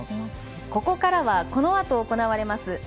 ここからはこのあと行われます